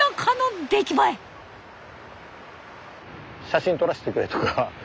写真撮らせてくれとか。